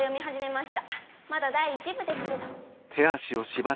まだ第１部ですけど。